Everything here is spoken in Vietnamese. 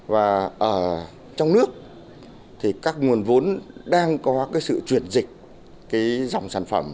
và ở trong nước các nguồn vốn đang có sự chuyển dịch dòng sản phẩm